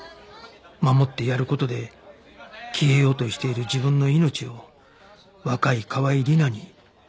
守ってやる事で消えようとしている自分の命を若い川合理奈に託したいのだと